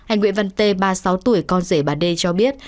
anh nguyễn văn tê ba mươi sáu tuổi con rể bà d cho biết